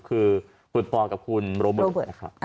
คือคุณปอล์กับคุณโรเบิร์ต